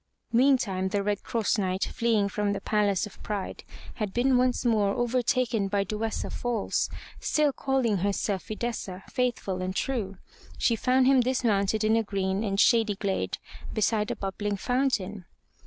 Meantime the Red Cross Knight fleeing from the Palace of Pride had been once more overtaken by Duessa false, still calling herself Fidessa, faithful and true. She found him dismounted in a green and shady glade beside a bubbling fountain.